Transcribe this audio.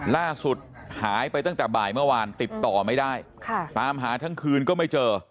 ล่าสุดหายไปตั้งแต่บ่ายเมื่อวานติดต่อไม่ได้ตามหาทั้งคืนก็ไม่เจอ